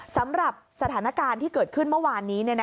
สำหรับสถานการณ์ที่เกิดขึ้นเมื่อวานนี้